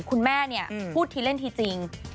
คุณแม่เนี่ยพูดทีเล่นทีจริง